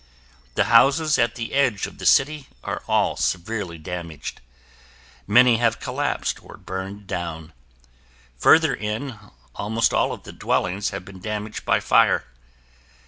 The houses at the edge of the city are all severely damaged. Many have collapsed or burned down. Further in, almost all of the dwellings have been damaged by fire.